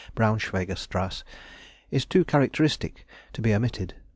376 Braunschweiger Strass, is too characteristic to be omitted.